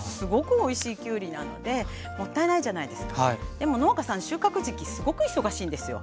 でも農家さん収穫時期すごく忙しいんですよ。